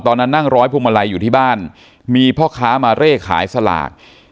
นั่งร้อยพวงมาลัยอยู่ที่บ้านมีพ่อค้ามาเร่ขายสลาก